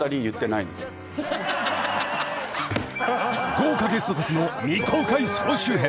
［豪華ゲストたちの未公開総集編］